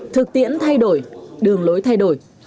thực tiễn thay đổi đường lối thay đổi